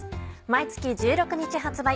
毎月１６日発売。